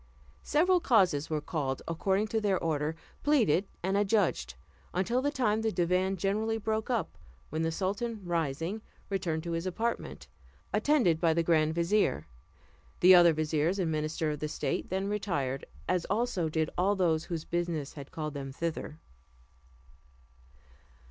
Several causes were called, according to their order, pleaded and adjudged, until the time the divan generally broke up, when the sultan, rising, returned to his apartment, attended by the grand vizier; the other viziers and ministers of state then retired, as also did all those whose business had called them thither.